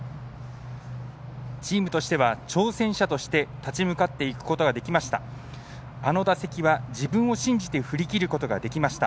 チームとしては挑戦者として立ち向かっていくことができました。